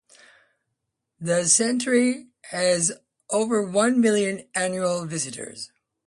The centre has over one million annual visitors.